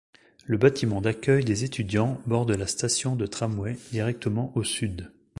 Le bâtiment d'accueil des étudiants borde la station de tramway directement au sud.